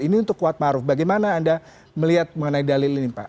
ini untuk kuat maruf bagaimana anda melihat mengenai dalil ini pak